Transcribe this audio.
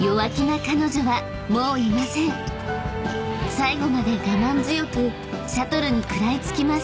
［最後まで我慢強くシャトルに食らいつきます］